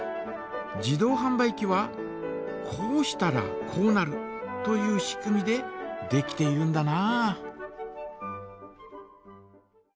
自動はん売機はこうしたらこうなるという仕組みでできているんだな。